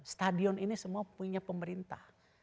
stadion ini semua punya pemerintah